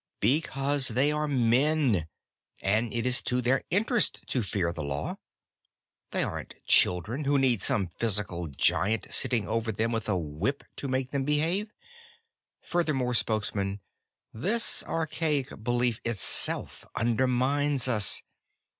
"Because they are men, and it is to their interest to fear the law. They aren't children, who need some physical Giant sitting over them with a whip to make them behave. Furthermore, Spokesman, this archaic belief itself undermines us.